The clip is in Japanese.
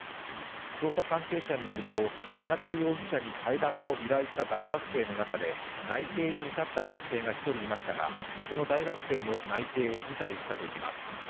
捜査関係者によると、田中容疑者に替え玉を依頼した大学生の中で内定に至った学生が１人いましたがこの大学生も内定を辞退したといいます。